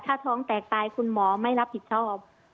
ถ้าท้องแตกตายคุณหมอไม่รับผิดชอบ